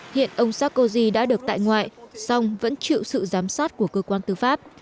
hiện ông sarkozy đã được tại ngoại song vẫn chịu sự giám sát của cơ quan tư pháp